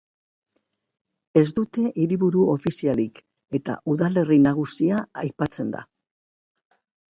Ez dute hiriburu ofizialik eta udalerri nagusia aipatzen da.